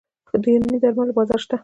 د یوناني درملو بازار شته؟